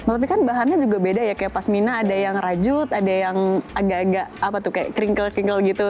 tapi kan bahannya juga beda ya kayak pas mina ada yang rajut ada yang agak agak apa tuh kayak kerinkle kingle gitu